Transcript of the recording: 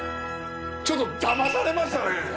ちょっと騙されましたね！